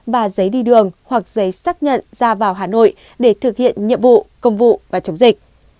và giấy đi đường hoặc giấy xác nhận ra vào hà nội để thực hiện nhiệm vụ công vụ và chống dịch